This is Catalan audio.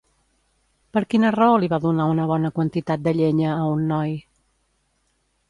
Per quina raó li va donar una bona quantitat de llenya a un noi?